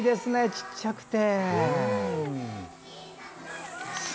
ちっちゃくて。